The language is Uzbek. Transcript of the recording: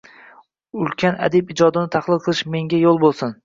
Ulkan adib ijodini tahlil qilish menga yo`l bo`lsin